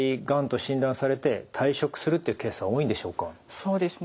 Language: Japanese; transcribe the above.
そうですね。